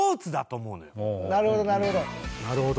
なるほどなるほど。